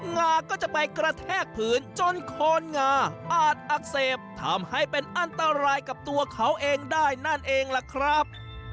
งาก็จะไปกระแทกพื้นจนโคนงาอาจอักเสบทำให้เป็นอันตรายกับตัวเขาเองได้นั่นเองล่ะครับ